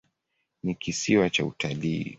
Ni kisiwa cha utalii.